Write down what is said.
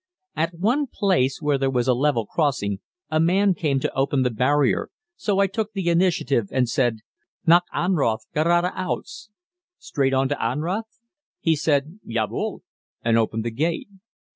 At one place where there was a level crossing a man came to open the barrier, so I took the initiative and said, "Nach Anrath gerade aus?" (Straight on to Anrath?) He said, "Ja wohl," and opened the gate.